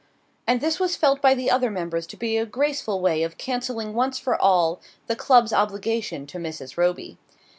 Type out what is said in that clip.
And this was felt by the other members to be a graceful way of cancelling once for all the club's obligation to Mrs. Roby.